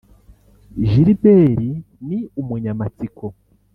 Gilbert ni umunyamatsiko